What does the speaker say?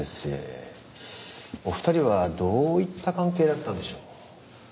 お二人はどういった関係だったんでしょう？